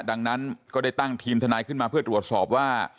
ดังนั้นก็ได้ตั้งทีมทนายขึ้นมาเพื่อตรวจสอบว่า